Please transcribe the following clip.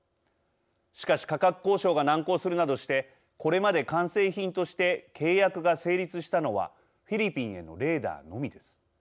しかし価格交渉が難航するなどしてこれまで完成品として契約が成立したのはフィリピンへのレーダーのみです。